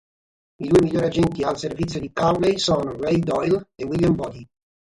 I due migliori agenti al servizio di Cowley sono Ray Doyle e William Bodie.